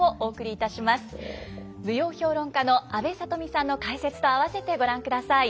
舞踊評論家の阿部さとみさんの解説とあわせてご覧ください。